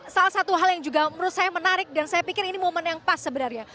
salah satu hal yang menarik dan saya pikir ini momen yang pas sebenarnya